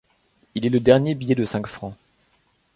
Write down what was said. Il est le dernier billet de cinq francs.